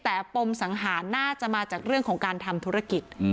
แต่ปมสังหารน่าจะมาจากเรื่องของการทำธุรกิจ